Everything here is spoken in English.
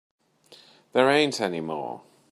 There ain't any more.